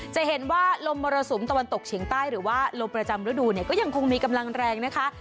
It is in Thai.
จะเห็นว่าลมมรสุมตะวันตกเฉียงใต้หรือว่าลมประจำฤดูเนี่ยก็ยังคงมีกำลังแรงนะคะ